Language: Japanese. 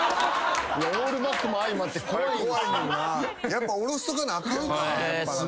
やっぱ下ろしとかなあかんか。